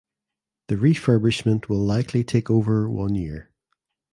The refurbishment will likely take over one year.